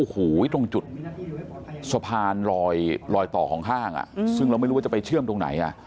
อยู่ตรงจุดสะพานลอยต่อของห้าง